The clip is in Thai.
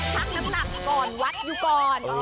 พักน้ำหนักก่อนวัดอยู่ก่อน